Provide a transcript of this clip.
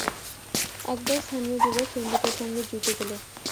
একদল স্থানীয় যুবক সন্দীপের সঙ্গে জুটে গেল।